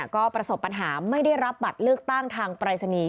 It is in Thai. ก็ประสบปัญหาไม่ได้รับบัตรเลือกตั้งทางปรายศนีย์